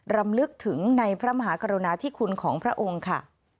รำลึกถึงในพระมหากรุณาธิคุณของพระองค์ค่ะ